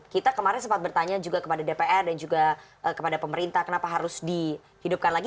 kita kemarin sempat bertanya juga kepada dpr dan juga kepada pemerintah kenapa harus dihidupkan lagi